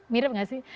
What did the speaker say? mirip gak sih